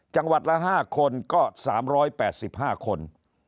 จังหวัดละ๕คนก็๓๘๕คน